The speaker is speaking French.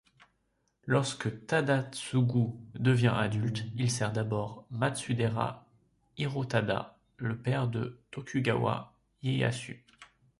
Lorsque Tadatsugu devient adulte, il sert d'abord Matsudaira Hirotada, le père de Tokugawa Ieyasu.